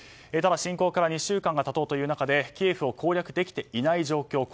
ただ、侵攻から２週間が経とうという中でキエフを攻略できていない状況。